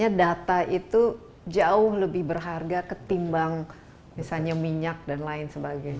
jadi data itu jauh lebih berharga ketimbang misalnya minyak dan lain sebagainya